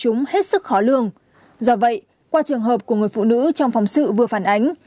chúng hết sức khó lường do vậy qua trường hợp của người phụ nữ trong phóng sự vừa phản ánh